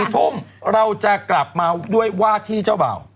๔ทุ่มเราจะกลับมาด้วยว่าที่เจ้าบ่าว